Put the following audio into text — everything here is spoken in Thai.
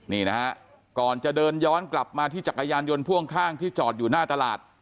นี่นะฮะก่อนจะเดินย้อนกลับมาที่จักรยานยนต์พ่วงข้างที่จอดอยู่หน้าตลาด